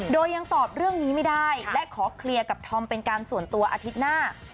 โดยยังตอบเรื่องนี้ไม่ได้และขอเคลียร์กับธอมเป็นการส่วนตัวอาทิตย์หน้า